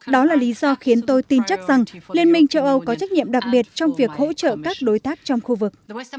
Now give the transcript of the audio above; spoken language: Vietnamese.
đó là lý do khiến tôi tin chắc rằng liên minh châu âu có trách nhiệm đặc biệt trong việc hỗ trợ các đối tác trong khu vực